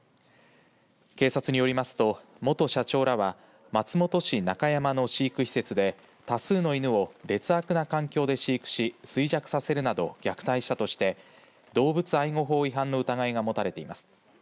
警察によりますと元社長らは松本市中山の飼育施設で多数の犬を劣悪な環境で飼育し衰弱させるなど虐待したとして動物愛護法違反の疑いが持たれています。